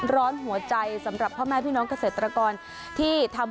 ร้อนหัวใจสำหรับพ่อแม่พี่น้องเกษตรกรที่ทำ